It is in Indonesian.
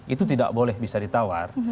itu tidak boleh bisa ditawar